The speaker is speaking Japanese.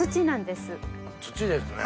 土ですね。